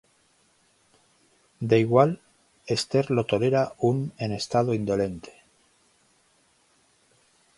De igual, Esther lo tolera un en estado indolente.